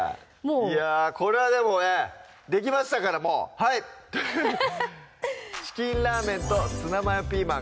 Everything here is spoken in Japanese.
これはでもねできましたからもうはい「チキンラーメンとツナマヨピーマン」